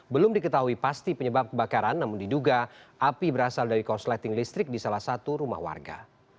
belum diketahui pasti penyebab kebakaran namun diduga api berasal dari korsleting listrik di salah satu rumah warga